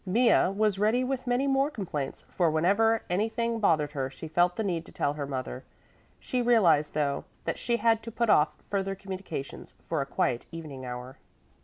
Mea was ready with many more complaints, for whenever anything bothered her, she felt the need to tell her mother. She realized, though, that she had to put off further communications for a quiet evening hour.